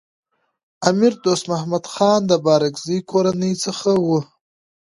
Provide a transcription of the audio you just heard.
امیر دوست محمد خان د بارکزايي کورنۍ څخه و.